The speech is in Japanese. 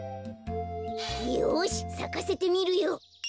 よしさかせてみるよ。